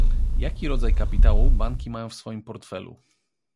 Jaki rodzaj kapitału banki mają w swoim portfelu?